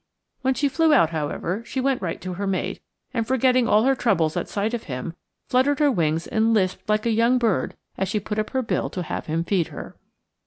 When she flew out, however, she went right to her mate, and forgetting all her troubles at sight of him, fluttered her wings and lisped like a young bird as she put up her bill to have him feed her.